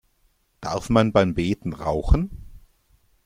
Darf man beim Beten rauchen?